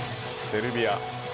セルビア。